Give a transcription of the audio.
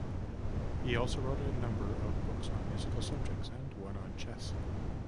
He also wrote a number of books on musical subjects, and one on chess.